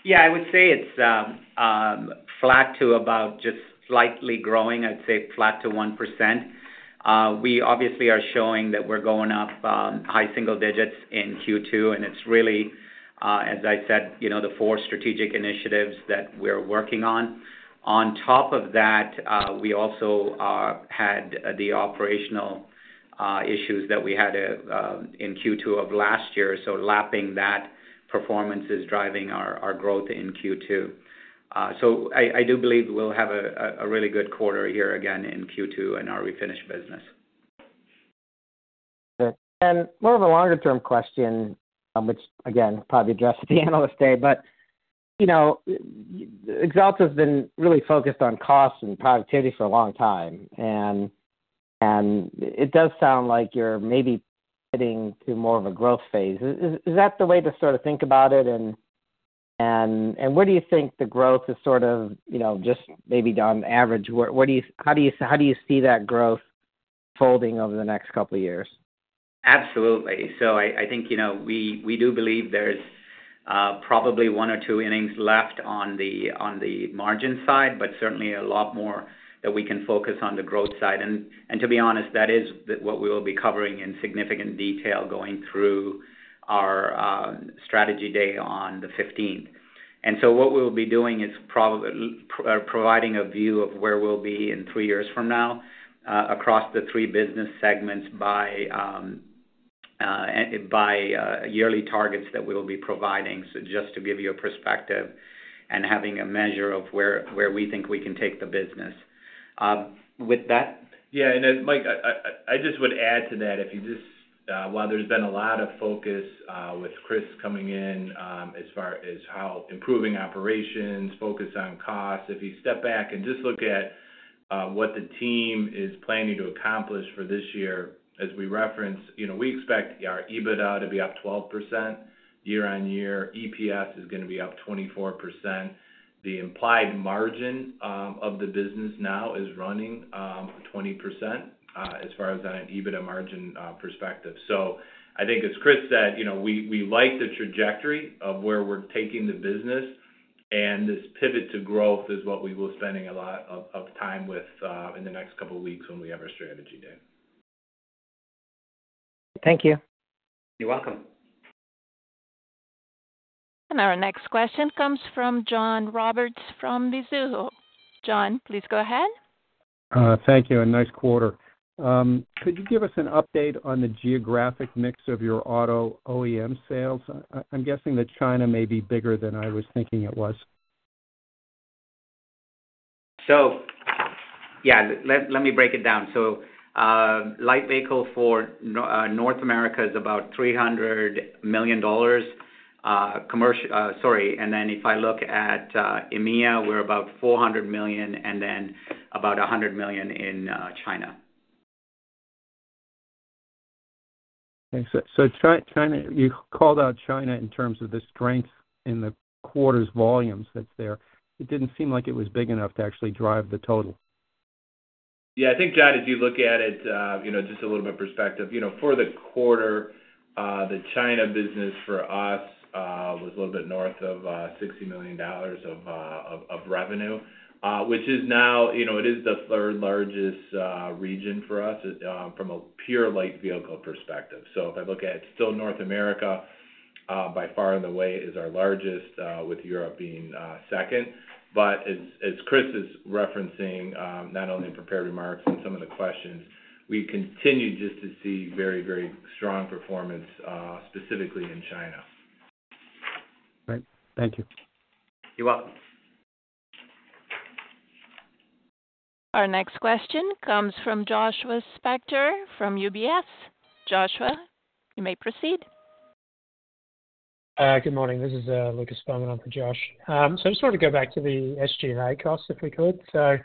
Yeah, I would say it's flat to about just slightly growing. I'd say flat to 1%. We obviously are showing that we're going up high single digits in Q2, and it's really, as I said, you know, the four strategic initiatives that we're working on. On top of that, we also had the operational issues that we had in Q2 of last year. So lapping that performance is driving our growth in Q2. So I do believe we'll have a really good quarter here again in Q2 in our Refinish business. And more of a longer-term question, which again, probably addressed at the Analyst Day, but, you know, Axalta has been really focused on cost and productivity for a long time, and it does sound like you're maybe getting to more of a growth phase. Is that the way to sort of think about it? And where do you think the growth is sort of, you know, just maybe on average, where, what do you... How do you see that growth folding over the next couple of years? Absolutely. So I think, you know, we do believe there's probably one or two innings left on the margin side, but certainly a lot more that we can focus on the growth side. And to be honest, that is what we will be covering in significant detail going through our strategy day on the 15th. And so what we'll be doing is providing a view of where we'll be in three years from now across the three business segments by yearly targets that we will be providing. So just to give you a perspective and having a measure of where we think we can take the business. With that? Yeah, and then, Mike, I just would add to that, if you just... While there's been a lot of focus with Chris coming in, as far as how improving operations, focus on costs, if you step back and just look at what the team is planning to accomplish for this year, as we referenced, you know, we expect our EBITDA to be up 12% year-on-year. EPS is gonna be up 24%. The implied margin of the business now is running 20%, as far as on an EBITDA margin perspective. I think as Chris said, you know, we like the trajectory of where we're taking the business, and this pivot to growth is what we will spending a lot of time with in the next couple of weeks when we have our strategy day. Thank you. You're welcome. Our next question comes from John Roberts, from Mizuho. John, please go ahead. Thank you, and nice quarter. Could you give us an update on the geographic mix of your auto OEM sales? I'm guessing that China may be bigger than I was thinking it was.... So, yeah, let me break it down. So, light vehicle for North America is about $300 million, commercial—sorry, and then if I look at EMEA, we're about $400 million, and then about $100 million in China. Okay. So, China, you called out China in terms of the strength in the quarter's volumes that's there. It didn't seem like it was big enough to actually drive the total. Yeah, I think, John, if you look at it, you know, just a little bit of perspective, you know, for the quarter, the China business for us was a little bit north of $60 million of revenue, which is now, you know, it is the third largest region for us from a pure light vehicle perspective. So if I look at still North America, by far and away, is our largest, with Europe being second. But as Chris is referencing, not only in prepared remarks and some of the questions, we continue just to see very, very strong performance specifically in China. Right. Thank you. You're welcome. Our next question comes from Joshua Spector, from UBS. Joshua, you may proceed. Good morning. This is Lucas Beaumont in for Joshua Spector. So I just wanted to go back to the SG&A costs, if we could. So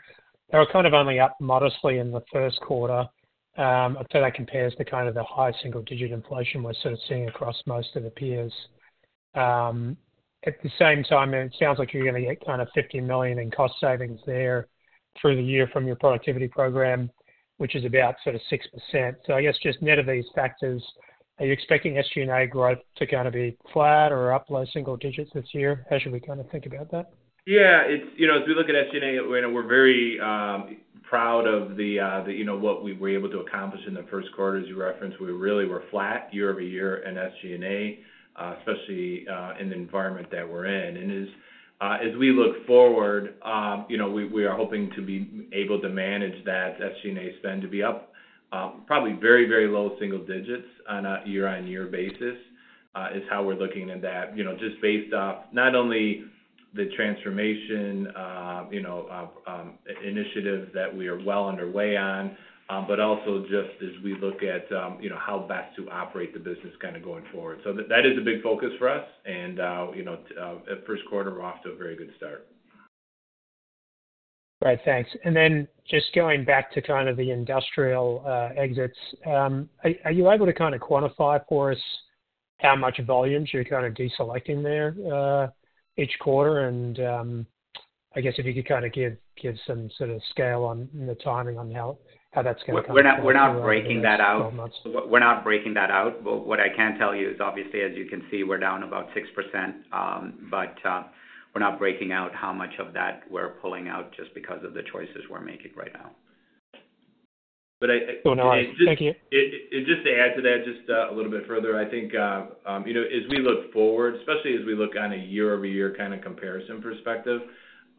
they were kind of only up modestly in the first quarter, after that compares to kind of the high single digit inflation we're sort of seeing across most of the peers. At the same time, it sounds like you're gonna get kind of $50 million in cost savings there through the year from your productivity program, which is about sort of 6%. So I guess, just net of these factors, are you expecting SG&A growth to kind of be flat or up low single digits this year? How should we kind of think about that? Yeah, it's -- you know, as we look at SG&A, we know we're very proud of the, the, you know, what we were able to accomplish in the first quarter. As you referenced, we really were flat year-over-year in SG&A, especially in the environment that we're in. And as, as we look forward, you know, we, we are hoping to be able to manage that SG&A spend to be up, probably very, very low single digits on a year-on-year basis, is how we're looking at that. You know, just based off, not only the transformation, you know, initiative that we are well underway on, but also just as we look at, you know, how best to operate the business kind of going forward. That is a big focus for us, and, you know, at first quarter, we're off to a very good start. Right. Thanks. And then just going back to kind of the Industrial exits, are you able to kind of quantify for us how much volumes you're kind of deselecting there each quarter? And I guess if you could kind of give some sort of scale on the timing on how that's gonna- We're not, we're not breaking that out. We're not breaking that out. But what I can tell you is, obviously, as you can see, we're down about 6%, but we're not breaking out how much of that we're pulling out just because of the choices we're making right now. But I- No, no, thank you. Just to add to that, just a little bit further, I think you know, as we look forward, especially as we look on a year-over-year kind of comparison perspective,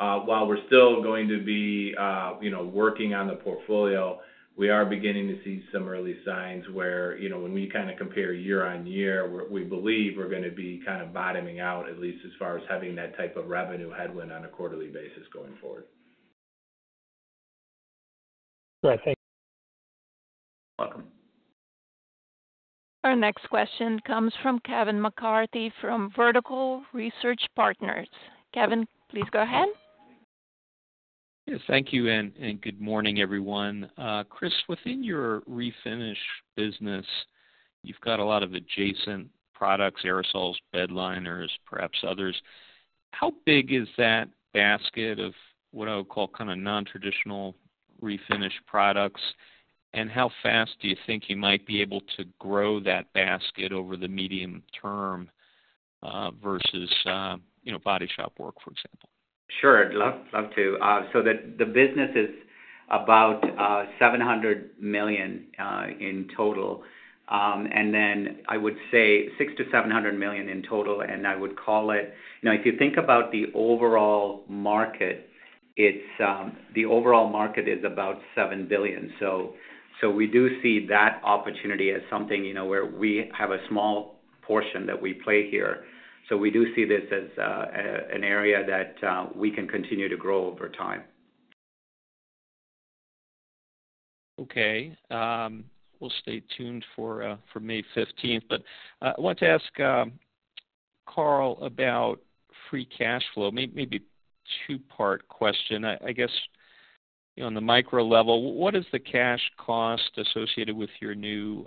while we're still going to be you know, working on the portfolio, we are beginning to see some early signs where you know, when we kind of compare year-over-year, we believe we're gonna be kind of bottoming out, at least as far as having that type of revenue headwind on a quarterly basis going forward. Right. Thank you. Welcome. Our next question comes from Kevin McCarthy, from Vertical Research Partners. Kevin, please go ahead. Yes, thank you, and good morning, everyone. Chris, within your Refinish business, you've got a lot of adjacent products, aerosols, bedliners, perhaps others. How big is that basket of what I would call kind of nontraditional Refinish products? And how fast do you think you might be able to grow that basket over the medium term, versus, you know, body shop work, for example? Sure, I'd love, love to. So the business is about $700 million in total. And then I would say $600 million-$700 million in total, and I would call it... Now, if you think about the overall market, it's the overall market is about $7 billion. So, so we do see that opportunity as something, you know, where we have a small portion that we play here. So we do see this as an area that we can continue to grow over time. Okay. We'll stay tuned for May 15th. But, I want to ask, Carl about free cash flow. Maybe a two-part question. I guess, you know, on the micro level, what is the cash cost associated with your new,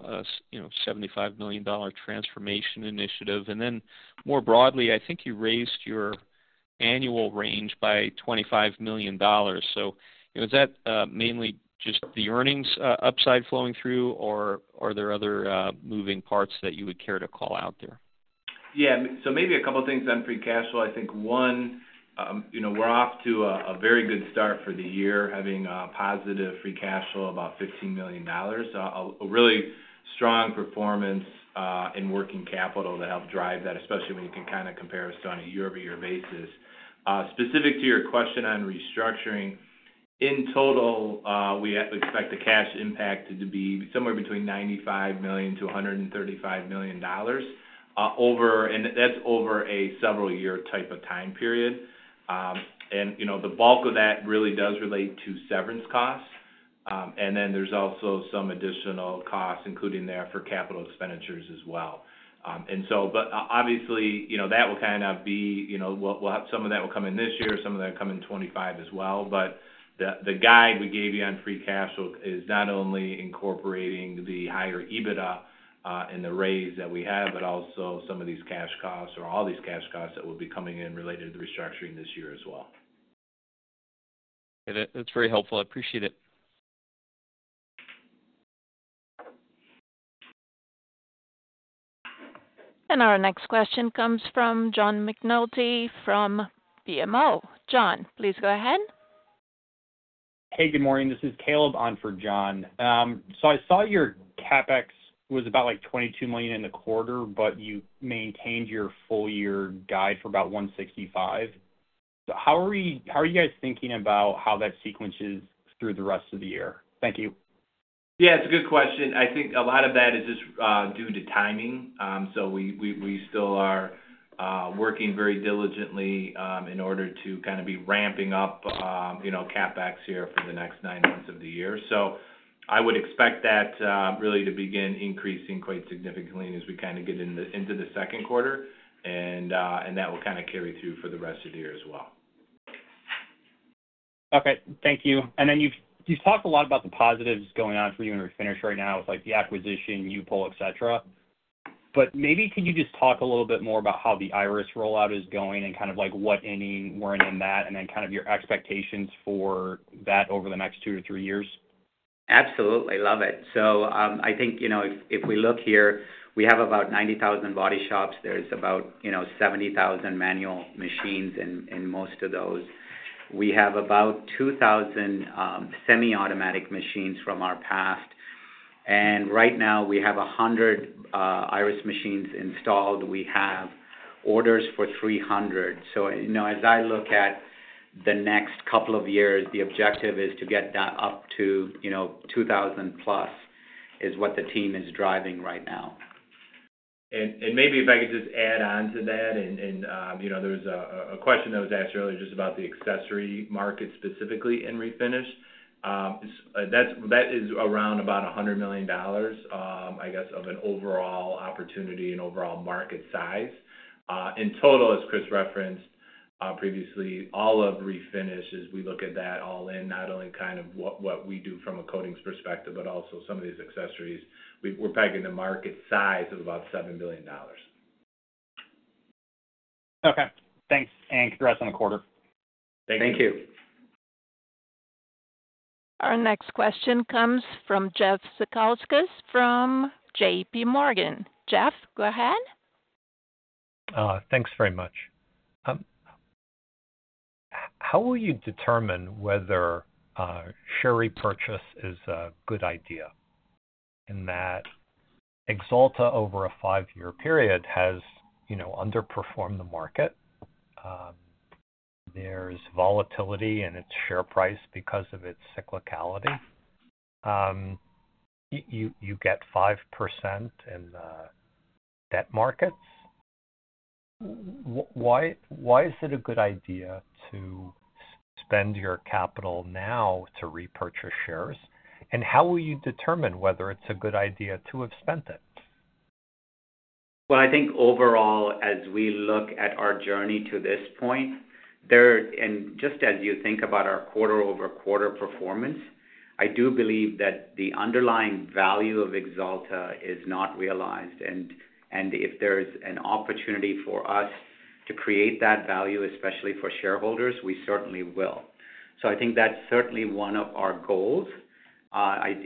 you know, $75 million transformation initiative? And then, more broadly, I think you raised your annual range by $25 million. So, you know, is that, mainly just the earnings, upside flowing through, or are there other, moving parts that you would care to call out there? Yeah, so maybe a couple of things on Free Cash Flow. I think, one, you know, we're off to a very good start for the year, having a positive Free Cash Flow of about $15 million. A really strong performance in working capital to help drive that, especially when you can kind of compare us on a year-over-year basis. Specific to your question on restructuring. In total, we have to expect the cash impact to be somewhere between $95 million-$135 million, and that's over a several year type of time period. And, you know, the bulk of that really does relate to severance costs. And then there's also some additional costs, including there for capital expenditures as well. But obviously, you know, that will kind of be, you know, we'll, we'll have some of that will come in this year, some of that come in 2025 as well. But the guide we gave you on Free Cash Flow is not only incorporating the higher EBITDA and the raise that we have, but also some of these cash costs or all these cash costs that will be coming in related to the restructuring this year as well. That's very helpful. I appreciate it. Our next question comes from John McNulty from BMO. John, please go ahead. Hey, good morning. This is Caleb on for John. So, I saw your CapEx was about, like, $22 million in the quarter, but you maintained your full year guide for about $165 million. How are you guys thinking about how that sequences through the rest of the year? Thank you. Yeah, it's a good question. I think a lot of that is just due to timing. So we still are working very diligently in order to kind of be ramping up, you know, CapEx here for the next nine months of the year. So I would expect that really to begin increasing quite significantly as we kind of get into the second quarter. And that will kind of carry through for the rest of the year as well. Okay, thank you. Then you've talked a lot about the positives going on for you in Refinish right now with, like, the acquisition, U-POL, etc.. But maybe can you just talk a little bit more about how the Irus rollout is going and kind of like what inning we're in on that, and then kind of your expectations for that over the next two to three years? Absolutely. Love it. So, I think, you know, if we look here, we have about 90,000 body shops. There's about, you know, 70,000 manual machines in most of those. We have about 2,000 semi-automatic machines from our past, and right now we have 100 Irus machines installed. We have orders for 300. So, you know, as I look at the next couple of years, the objective is to get that up to, you know, 2,000 plus, is what the team is driving right now. Maybe if I could just add on to that, you know, there was a question that was asked earlier just about the accessory market, specifically in Refinish. That is around about $100 million, I guess, of an overall opportunity and overall market size. In total, as Chris referenced, previously, all of Refinish, as we look at that all in, not only kind of what we do from a coatings perspective, but also some of these accessories, we're pegging the market size of about $7 billion. Okay, thanks, and congrats on the quarter. Thank you Thank you. Our next question comes from Jeff Zekauskas from JPMorgan. Jeff, go ahead. Thanks very much. How will you determine whether share repurchase is a good idea, in that Axalta, over a five-year period, has, you know, underperformed the market? There's volatility in its share price because of its cyclicality. You get 5% in the debt markets. Why is it a good idea to spend your capital now to repurchase shares? And how will you determine whether it's a good idea to have spent it? Well, I think overall, as we look at our journey to this point. And just as you think about our quarter-over-quarter performance, I do believe that the underlying value of Axalta is not realized. And if there's an opportunity for us to create that value, especially for shareholders, we certainly will. So I think that's certainly one of our goals.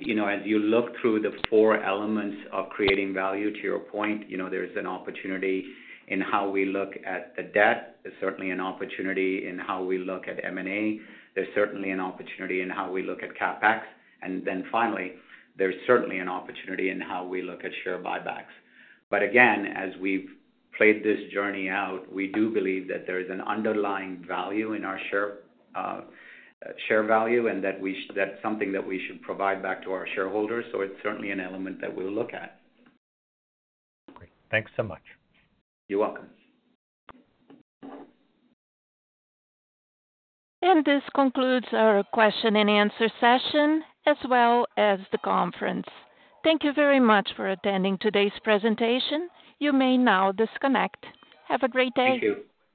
You know, as you look through the four elements of creating value, to your point, you know, there's an opportunity in how we look at the debt. There's certainly an opportunity in how we look at M&A. There's certainly an opportunity in how we look at CapEx. And then finally, there's certainly an opportunity in how we look at share buybacks. But again, as we've played this journey out, we do believe that there is an underlying value in our share, share value, and that that's something that we should provide back to our shareholders. So it's certainly an element that we'll look at. Great. Thanks so much. You're welcome. This concludes our question and answer session, as well as the conference. Thank you very much for attending today's presentation. You may now disconnect. Have a great day. Thank you.